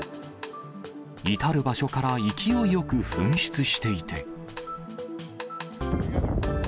至る場所から勢いよく噴出していて。